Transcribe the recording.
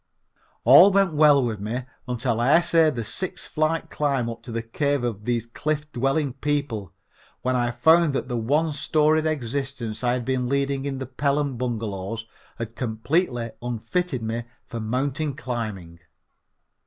All went well with me until I essayed the six flight climb up to the cave of these cliff dwelling people, when I found that the one storied existence I had been leading in the Pelham bungalows had completely unfitted me for mountain climbing.